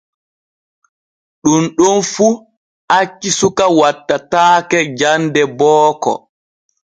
Ɗun ɗon fu acci suka wattataake jande booko.